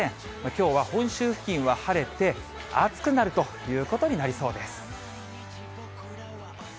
きょうは本州付近は晴れて、暑くなるということになりそうです。